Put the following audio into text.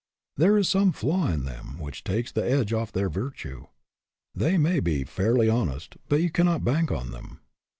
There is some flaw in them which takes the edge off their virtue. They may be fairly honest, but you cannot bank on them.